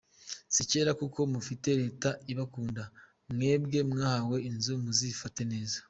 Si kera kuko mufite leta ibakunda, mwebwe mwahawe inzu muzifate neza.